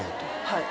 はい。